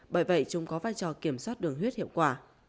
bởi vậy chúng có vai trò kiểm soát đường huyết hiệu quả